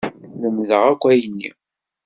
Lemdeɣ akk ayenni.